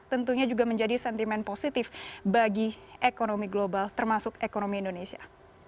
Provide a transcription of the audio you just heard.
tentunya juga menjadi sentimen positif bagi ekonomi global termasuk ekonomi indonesia